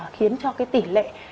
khiến cho cái tỉ lệ